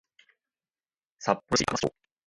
札幌市赤松町